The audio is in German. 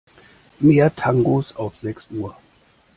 Mehr Tangos auf sechs Uhr.